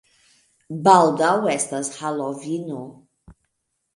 Baldaŭ estas Halovino.